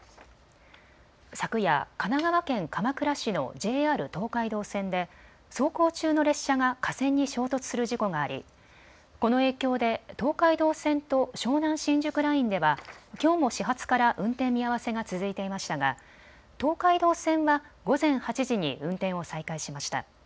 昨夜、神奈川県鎌倉市のＪＲ東海道線で走行中の列車が架線に衝突する事故がありこの影響で東海道線と湘南新宿ラインではきょうも始発から運転見合わせが続いていましたが東海道線は午前８時に運転を再開しました。